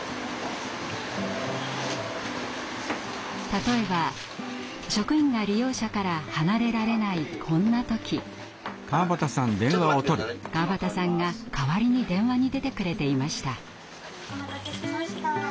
☎例えば職員が利用者から離れられないこんな時川端さんが代わりに電話に出てくれていました。